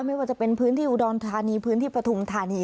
ไม่ว่าจะเป็นพื้นที่อุดรธานีพื้นที่ปฐุมธานี